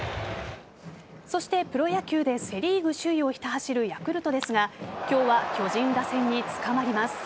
そして、プロ野球でセ・リーグ首位をひた走るヤクルトですが今日は、巨人打線につかまります。